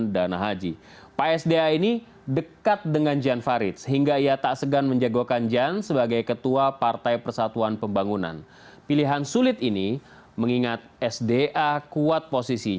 dan sama sama berkeinginan untuk berpapisipasi